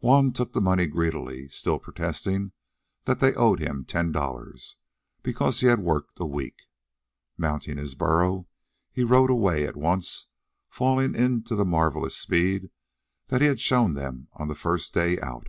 Juan took the money greedily, still protesting that they owed him ten dollars, because he had worked a week. Mounting his burro, he rode away; at once falling into the marvelous speed that he had shown them on the first day out.